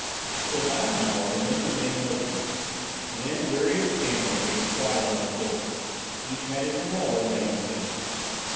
For about an hour the men remained motionless, then, weary of standing, they squatted on the floor. Each had his revolver ready to hand.